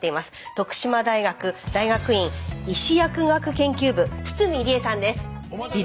徳島大学大学院医歯薬学研究部堤理恵さんです。